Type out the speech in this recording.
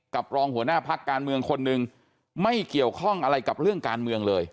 รองหัวหน้าพักการเมืองคนหนึ่งไม่เกี่ยวข้องอะไรกับเรื่องการเมืองเลย